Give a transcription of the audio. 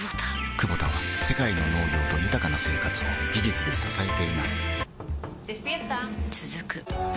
クボタは世界の農業と豊かな生活を技術で支えています起きて。